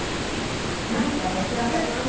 何か召し上がりません？